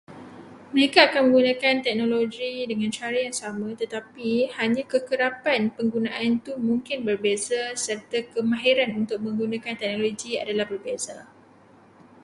Mereka akan menggunakan teknologi dengan cara yang sama, tetapi hanya kekerapan penggunaan itu mungkin berbeza, serta kemahiran untuk menggunakan teknologi adalah berbeza.